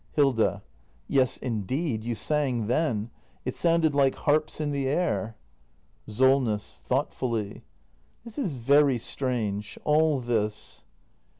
Hilda. Yes indeed, you sang then. It sounded like harps in the air. SOLNESS. [Thoughtfully.] This is very strange — all this.